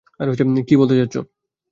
কী বলতে চাচ্ছো?